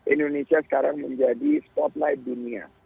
indonesia sekarang menjadi spotlight dunia